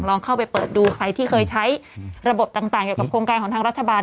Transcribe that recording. ลองเข้าไปเปิดดูใครที่เคยใช้ระบบต่างเกี่ยวกับโครงการของทางรัฐบาล